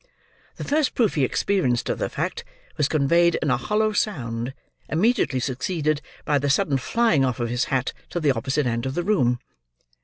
The first proof he experienced of the fact, was conveyed in a hollow sound, immediately succeeded by the sudden flying off of his hat to the opposite end of the room.